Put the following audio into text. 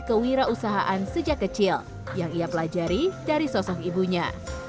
kewirausahaan sejak kecil yang ia pelajari dari sosok ibunya